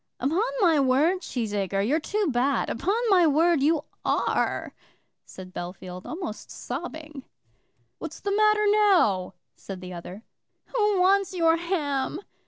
"Upon my word, Cheesacre, you're too bad; upon my word you are," said Bellfield, almost sobbing. "What's the matter now?" said the other. "Who wants your ham?"